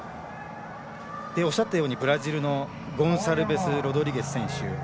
おっしゃったようにブラジルのゴンサルベスロドリゲス選手。